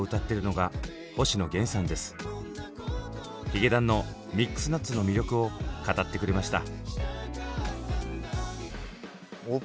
ヒゲダンの「ミックスナッツ」の魅力を語ってくれました。